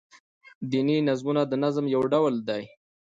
دیني نظمونه دنظم يو ډول دﺉ.